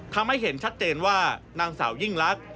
ทำให้เห็นชัดเจนว่านางสาวยิ่งรัก